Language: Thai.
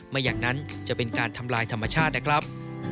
ไม่อย่างนั้นจะเป็นการทำลายธรรมชาตินะครับ